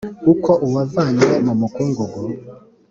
uko uwavanywe mu mukungugu